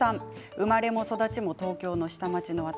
生まれも育ちも東京の下町の私。